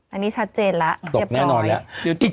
อันนี้ชัดเจนแล้วเยอะปลอย